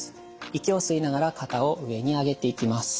息を吸いながら肩を上に上げていきます。